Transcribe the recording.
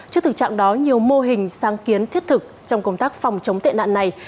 trước thực trạng đó nhiều mô hình sáng kiến thiết thực trong công tác phòng chống tệ nạn này